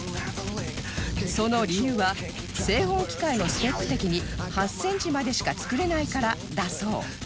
その理由は製本機械のスペック的に８センチまでしか作れないからだそう